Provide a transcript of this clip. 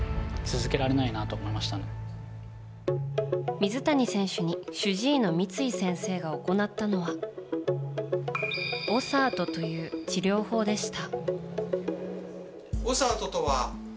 水谷選手に主治医の三井先生が行ったのはオサートという治療法でした。